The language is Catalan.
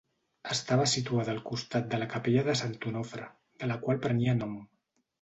Estava situada al costat de la capella de Sant Onofre, de la qual prenia nom.